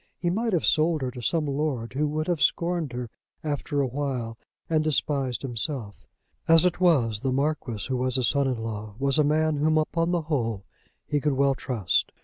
He might have sold her to some lord who would have scorned her after a while and despised himself. As it was, the Marquis, who was his son in law, was a man whom upon the whole he could well trust.